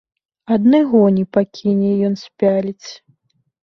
Адны гоні пакіне ён спяліць.